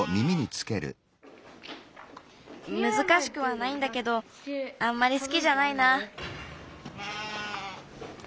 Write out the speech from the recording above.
むずかしくはないんだけどあんまりすきじゃないな。